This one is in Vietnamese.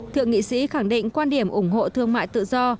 thượng nghị sĩ khẳng định quan điểm ủng hộ thương mại tự do